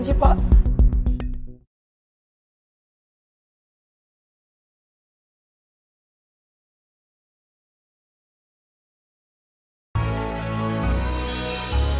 harus tiga ratus setelah menginfeksi trabajar untuk kamu